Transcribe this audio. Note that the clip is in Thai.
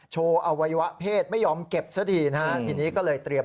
อวัยวะเพศไม่ยอมเก็บซะทีนะฮะทีนี้ก็เลยเตรียม